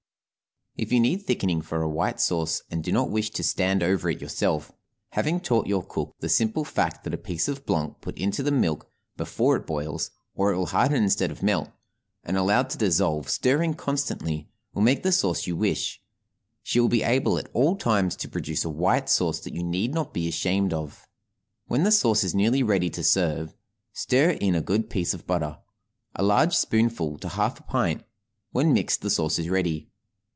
If you need thickening for a white sauce and do not wish to stand over it yourself, having taught your cook the simple fact that a piece of blanc put into the milk before it boils (or it will harden instead of melt) and allowed to dissolve, stirring constantly, will make the sauce you wish, she will be able at all times to produce a white sauce that you need not be ashamed of. When the sauce is nearly ready to serve, stir in a good piece of butter a large spoonful to half a pint; when mixed, the sauce is ready.